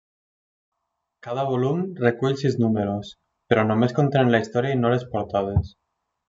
Cada volum recull sis números, però només contenen la història i no les portades.